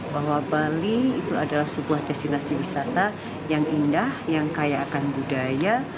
bahwa bali itu adalah sebuah destinasi wisata yang indah yang kaya akan budaya